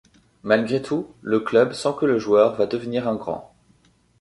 Malgré tout, le club sent que le joueur va devenir un grand.